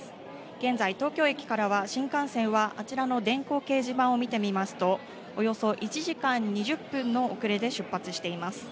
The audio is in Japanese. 現在、東京駅からは新幹線はあちらの電光掲示板を見てみますと、およそ１時間２０分の遅れで出発しています。